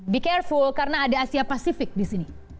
be careful karena ada asia pasifik di sini